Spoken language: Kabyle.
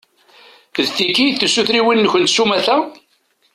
D tigi i d tisutriwin-nkent s umata?